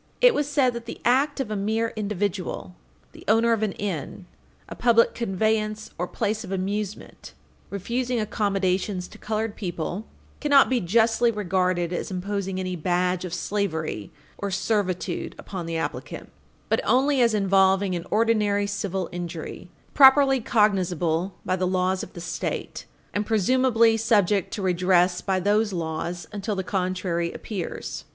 3, 24, it was said that the act of a mere individual, the owner of an inn, a public conveyance or place of amusement, refusing accommodations to colored people cannot be justly regarded as imposing any badge of slavery or servitude upon the applicant, but only as involving an ordinary civil injury, properly cognizable by the laws of the State and presumably subject to redress by those laws until the contrary appears.